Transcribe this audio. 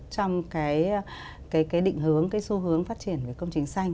trong cái định hướng cái xu hướng phát triển về công trình xanh